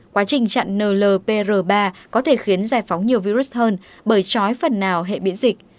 quá trình chặn nlp r ba có thể khiến giải phóng nhiều virus hơn bởi chói phần nào hệ miễn dịch